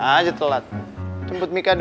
udah sekarang aku makan